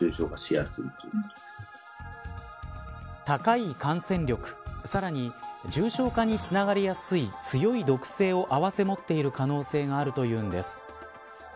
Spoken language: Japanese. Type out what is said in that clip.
高い感染力さらに重症化につながりやすい強い毒性を併せ持っている可能性があるというんです。